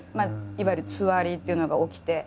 いわゆるつわりっていうのが起きて。